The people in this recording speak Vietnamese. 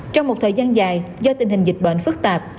trong một thời gian dài do tình hình dịch bệnh phức tạp